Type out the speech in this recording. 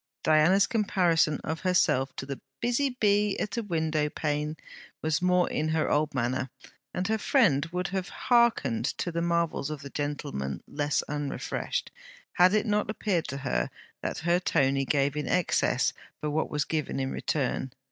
Diana's comparison of herself to 'the busy bee at a window pane,' was more in her old manner; and her friend would have hearkened to the marvels of the gentle man less unrefreshed, had it not appeared to her that her Tony gave in excess for what was given in return.